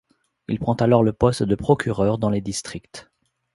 Il prend alors le poste de procureur dans les districts.